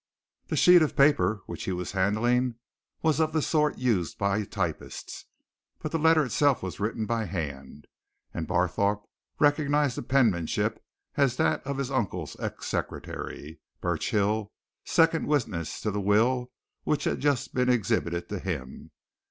The sheet of paper which he was handling was of the sort used by typists, but the letter itself was written by hand, and Barthorpe recognized the penmanship as that of his uncle's ex secretary, Burchill, second witness to the will which had just been exhibited to him.